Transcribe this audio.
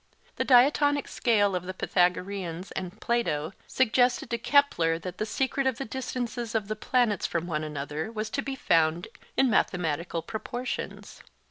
The 'diatonic' scale of the Pythagoreans and Plato suggested to Kepler that the secret of the distances of the planets from one another was to be found in mathematical proportions.